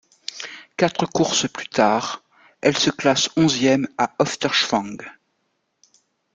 Quatre courses plus tard, elle se classe onzième à Ofterschwang.